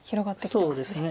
そうですね。